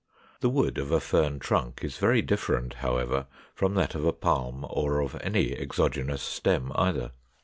The wood of a Fern trunk is very different, however, from that of a palm, or of any exogenous stem either.